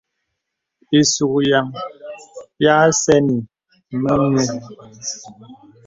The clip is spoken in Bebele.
Isùkyan ya sɛ̂nì mə nyùù.